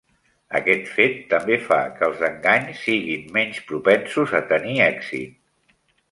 Aquest fet també fa que els enganys siguin menys propensos a tenir èxit.